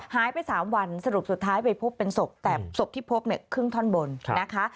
หายไป๓วันสรุปสุดท้ายไปพบเป็นศพแต่ศพที่พบเนี่ยครึ่งท่อนบนนะคะ